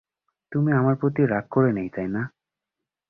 তুমি আমার প্রতি রাগ করে নেই, তাইনা?